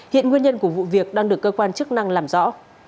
hiện nguyên nhân của vụ việc đang được cơ quan chức năng làm rõ